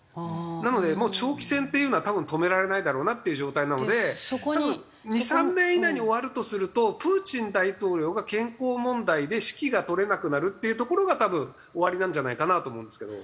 なのでもう長期戦っていうのは多分止められないだろうなっていう状態なので多分２３年以内に終わるとするとプーチン大統領が健康問題で指揮が執れなくなるっていうところが多分終わりなんじゃないかなと思うんですけど。